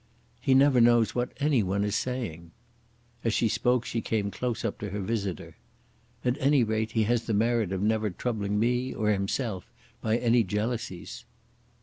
"He never knows what any one is saying." As she spoke she came close up to her visitor. "At any rate he has the merit of never troubling me or himself by any jealousies."